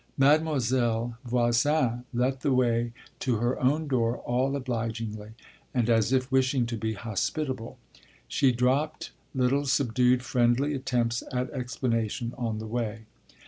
Mademoiselle Voisin led the way to her own door all obligingly and as if wishing to be hospitable; she dropped little subdued, friendly attempts at explanation on the way.